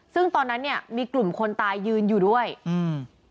ซึ่งตอนนั้นเนี้ยมีกลุ่มคนตายยืนอยู่ด้วยอืม